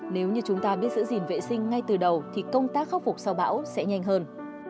nếu như chúng ta biết giữ gìn vệ sinh ngay từ đầu thì công tác khắc phục sau bão sẽ nhanh hơn